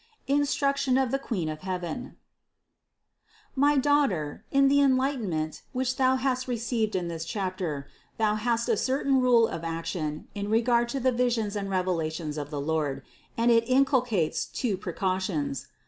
INSTRUCTION OF THE QUEEN OF HEAVEN. 644. My daughter, in the enlightenment, which thou hast received in this chapter, thou hast a certain rule of action in regard to the visions and revelations of the Lord, and it inculcates two precautions.